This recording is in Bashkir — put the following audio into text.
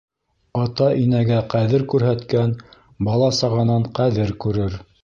Ата-инәгә ҡәҙер күрһәткән бала-сағанан ҡәҙер күрер.